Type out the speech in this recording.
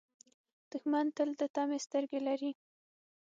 دښمن تل د طمعې سترګې لري